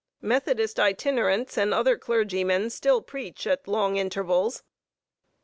Methodist itinerants and other clergymen still preach at long intervals.